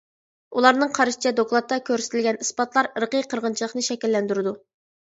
ئۇلارنىڭ قارىشىچە، دوكلاتتا كۆرسىتىلگەن ئىسپاتلار ئىرقىي قىرغىنچىلىقنى شەكىللەندۈرىدۇ.